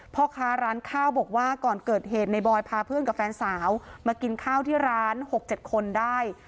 พ่อค้าร้านข้าวบอกว่าก่อนเกิดเหตุในบอยพาเพื่อนกับแฟนสาวมากินข้าวที่ร้าน๖๗คนได้